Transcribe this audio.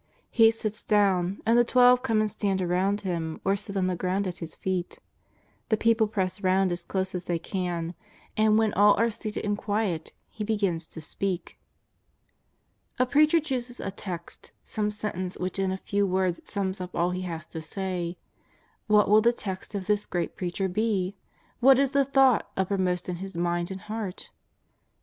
He sits do^vn, and the Twelve come and stand around Him, or sit on the ground at His feet. The people press round as close as they can, and when all are seated and quiet He begins to speak. A preacher chooses a text, some sentence which in a few words sums up all he has to say. 'WTiat will the text of this great Preacher be? What is the thought uppermost in His mind and heart?